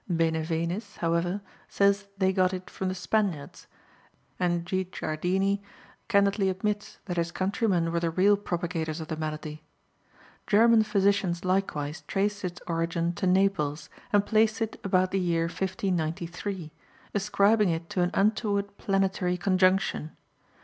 Benevenis, however, says they got it from the Spaniards, and Guicciardini candidly admits that his countrymen were the real propagators of the malady. German physicians likewise traced its origin to Naples, and placed it about the year 1493, ascribing it to an untoward planetary conjunction.